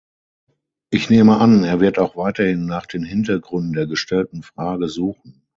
Ich nehme an, er wird auch weiterhin nach den Hintergründen der gestellten Frage suchen.